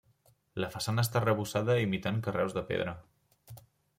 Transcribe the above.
La façana està arrebossada imitant carreus de pedra.